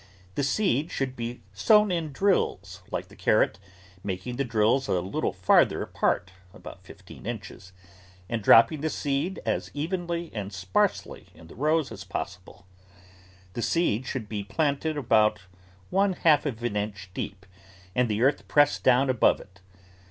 The seed should be sown in drills, like the carrot, making the drills a little farther apart — about fifteen inches — and dropping the seed as evenly and sparsely in the rows as possible. The seed should be planted about one half of an inch deep and the earth pressed down above it.